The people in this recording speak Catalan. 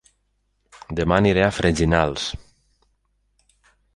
Dema aniré a Freginals